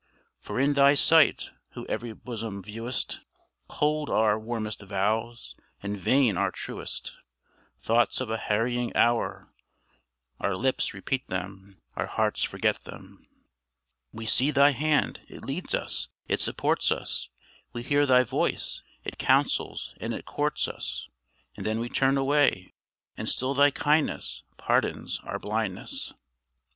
For in Thy sight who every bosom viewest, Cold are our warmest vows, and vain our truest; Thoughts of a harrying hour, our lips repeat them, Our hearts forget them. We see Thy hand it leads us, it supports us; We hear Thy voice it counsels and it courts us; And then we turn away and still thy kindness Pardons our blindness.